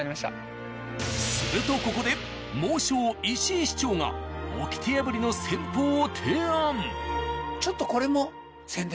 するとここで猛将石井市長が掟破りの戦法を提案。